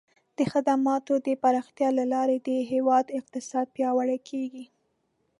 د خدماتو د پراختیا له لارې د هیواد اقتصاد پیاوړی کیږي.